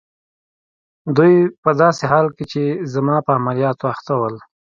دوی په داسې حال کې چي زما په عملیاتو اخته ول.